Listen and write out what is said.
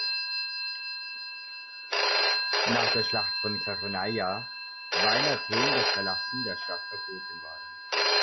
Nach der Schlacht von Chaironeia war in Athen das Verlassen der Stadt verboten worden.